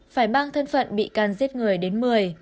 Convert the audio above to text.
phải mang thân phận bị can giết người đến một mươi